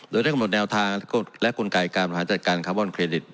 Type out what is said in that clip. โดยได้กำหนดแนวทางและกลไกการบริหารจัดการคาร์บอนเครดิต